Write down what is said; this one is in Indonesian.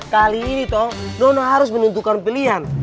kali ini toh nono harus menentukan pilihan